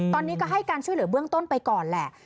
ตอนนี้ก็ให้การช่วยเหลือเบื้องต้นไปก่อนแหละ